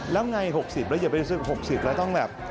แล้วไง๖๐แล้วอย่าไปศึก๖๐แล้วต้องแบบ